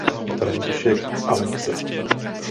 František Alexa.